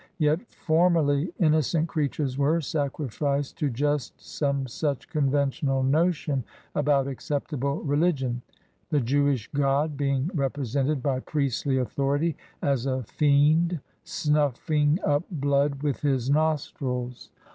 Yet formerly innocent creatures were sacrificed to just some such conventional notion about acceptable religion : the Jewish God being represented by priestly authority as a fiend snuffing up blood with his nostrils — TRANSITION.